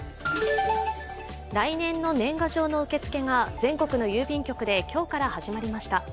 来年の年賀状の受付が全国の郵便局で今日から始まりました。